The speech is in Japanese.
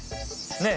ねえ？